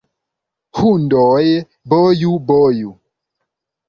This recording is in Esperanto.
Hundoj, boju, boju!